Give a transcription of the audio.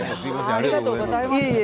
ありがとうございます。